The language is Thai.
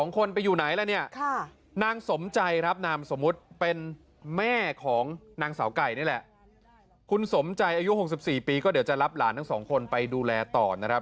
คุณสมใจอายุ๖๔ปีก็เดี๋ยวจะรับหลานทั้งสองคนไปดูแลต่อนะครับ